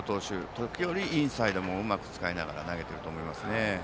時折インサイドもうまく使いながら投げていると思いますね。